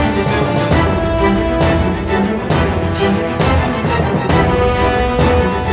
biar kan saja